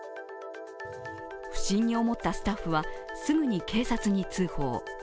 不審に思ったスタッフはすぐに警察に通報。